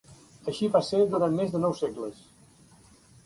Així va ésser durant més de nou segles.